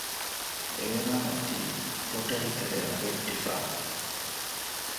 އޭނާ އޮތީ ކޮޓަރި ތެރެއަށް ވެއްޓިފަ